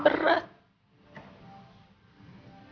berat banget buat aku